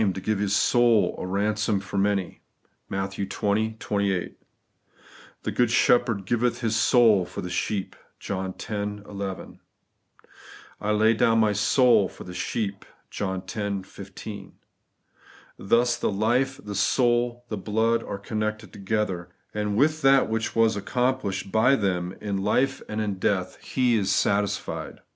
to give His soul a ransom for many ' (Matt. XX. 28); 'The good Shepherd giveth His soul for the sheep' (John x. 11) ; 'I lay down my soul for the sheep' (John x. 15). Thus the life, the soul, the blood, are connected together; and with that which was accomplished by them in life and in death He is satisfied.